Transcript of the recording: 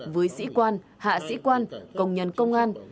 với sĩ quan hạ sĩ quan công nhân công an